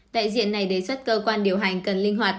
đại diện này đề xuất cơ quan điều hành cần linh hoạt